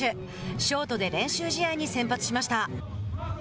ショートで練習試合に先発しました。